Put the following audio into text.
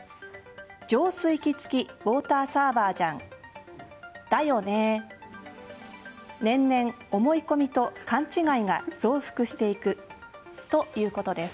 浄水器付きウォーターサーバーじゃんだよねー年々思い込みと勘違いが増幅していくということです。